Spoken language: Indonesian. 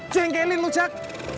cengkelin lu jack